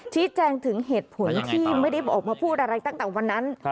ชี้แจงถึงเหตุผลที่ไม่ได้ออกมาพูดอะไรตั้งแต่วันนั้น